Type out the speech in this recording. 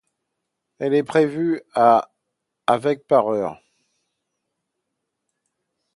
Elle est prévue à avec par heure.